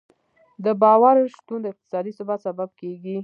د باور شتون د اقتصادي ثبات سبب کېږي.